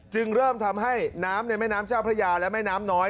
จึงเริ่มทำให้น้ำในแม่น้ำเจ้าพระยาและแม่น้ำน้อย